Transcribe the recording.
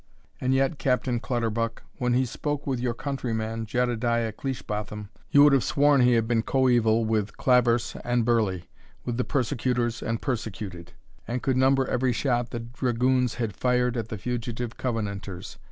And yet, Captain Clutterbuck, when he spoke with your countryman Jedediah Cleishbotham, you would have sworn he had been coeval with Claver'se and Burley, with the persecutors and persecuted, and could number every shot the dragoons had fired at the fugitive Covenanters.